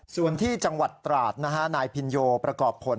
ส่วนที่จังหวัดตราร์ดนะครับนายปินะยูก็ประกอบผล